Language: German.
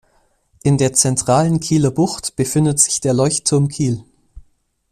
In der zentralen Kieler Bucht befindet sich der Leuchtturm Kiel.